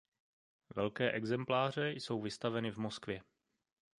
Velké exempláře jsou vystaveny v Moskvě.